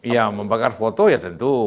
ya membakar foto ya tentu